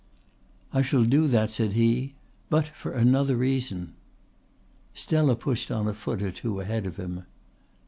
"I shall do that," said he, "but for another reason." Stella pushed on a foot or two ahead of him.